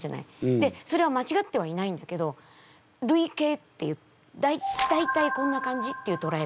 でそれは間違ってはいないんだけど類型っていう大体こんな感じっていうとらえ方なわけ。